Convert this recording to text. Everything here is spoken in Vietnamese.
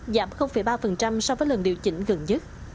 giảm ba so với lần điều chỉnh gần nhất